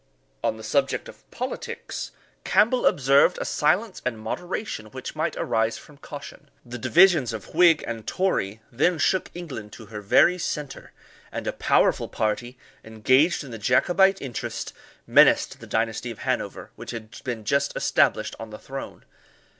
On the subject of politics, Campbell observed a silence and moderation which might arise from caution. The divisions of Whig and Tory then shook England to her very centre, and a powerful party, engaged in the Jacobite interest, menaced the dynasty of Hanover, which had been just established on the throne.